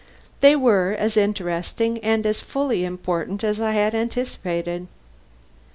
They were as interesting and fully as important as I had anticipated.